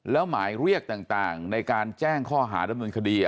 แล้วหมายเรียกต่างในการแจ้งข้อหาดำเนินคดี